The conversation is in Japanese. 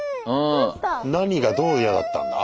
何がどう嫌だったんだ？